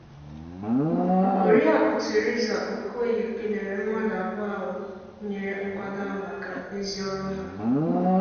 Oriakụ Theresa Okoye kèlèrè mmadụ abụọ ahụ nyere nkwàdo ahụ maka ezi ọrụ ha